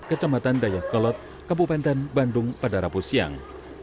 kecamatan dayakolot kabupaten bandung pada rabu siang